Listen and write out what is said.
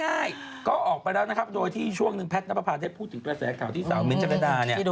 ง่ายก็ออกไปแล้วนะครับโดยที่ช่วงหนึ่งแพทย์นับประพาได้พูดถึงกระแสข่าวที่สาวมิ้นท์จักรดาเนี่ย